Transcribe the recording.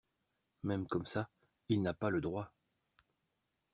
Même comme ça, il n’a pas le droit.